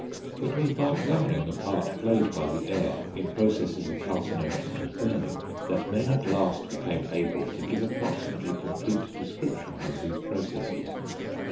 It was by examining the part played by the air in processes of calcination and burning that men at last became able to give approximately complete descriptions of these processes.